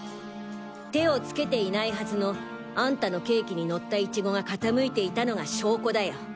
手をつけていないはずのあんたのケーキにのった苺が傾いていたのが証拠だよ。